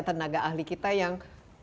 tenaga ahli kita yang